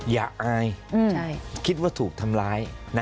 อย่าอายคิดว่าถูกทำร้ายนะ